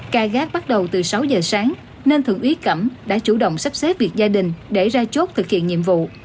ca gác bắt đầu từ sáu giờ sáng nên thượng úy cẩm đã chủ động sắp xếp việc gia đình để ra chốt thực hiện nhiệm vụ